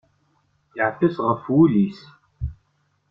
Yeɛfes ɣef wul-is.